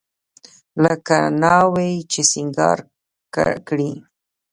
لکه ناوې چې سينګار کړې.